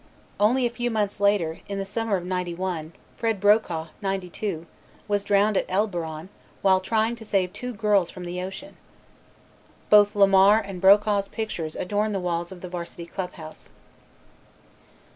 Only a few months later, in the summer of '91, Fred Brokaw '92, was drowned at Elberon while trying to save two girls from the ocean. Both Lamar and Brokaw's pictures adorn the walls of the Varsity Club House.